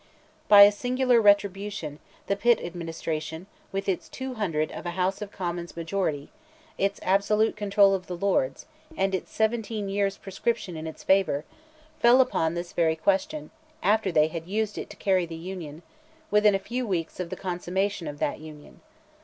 By a singular retribution, the Pitt administration with its 200 of a House of Commons majority, its absolute control of the Lords, and its seventeen years' prescription in its favour, fell upon this very question, after they had used it to carry the Union, within a few weeks of the consummation of that Union.